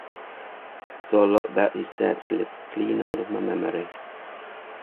So a lot that he said slipped clean out of my memory.